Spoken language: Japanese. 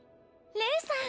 レイさん！